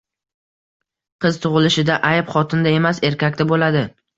Qiz tug‘ilishida “ayb” xotinda emas, erkakda bo‘ladi.